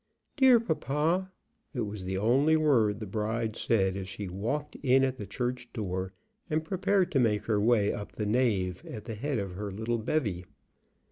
"Dear papa!" It was the only word the bride said as she walked in at the church door, and prepared to make her way up the nave at the head of her little bevy.